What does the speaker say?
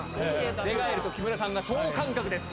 デガエルと木村さんが等間隔です。